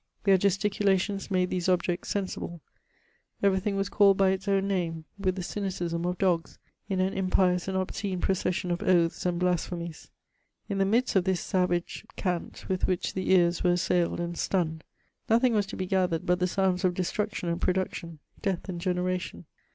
Their gesticulations made ^ese oljjects sensible; every thing was caikd by its own name, with <he cynicism of dogs, in an impions and <^Bcene procession of oaths and blaqihemies. In the midst of this savage cant with which the earn were assailed and stunned, notibing was to be gadiered but Ihe sounds of destruction and production, death and generation.